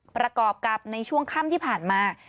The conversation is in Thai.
ประกอบกับในช่วงค่ำที่ผ่านมา